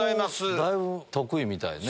だいぶ得意みたいね。